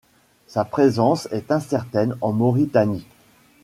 Sa présence est incertaine en Mauritanie.